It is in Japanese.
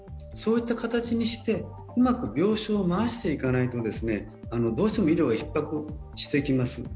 そういった形にしてうまく病床を回していかないとどうしても医療がひっ迫してきます。